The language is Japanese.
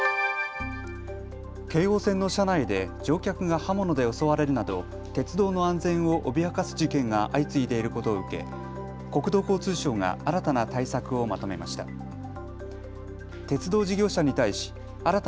京王線の車内で乗客が刃物で襲われるなど鉄道の安全を脅かす事件が相次いでいることを受け国土交通省が新たな対策をまとめました。